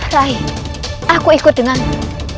rai aku ikut denganmu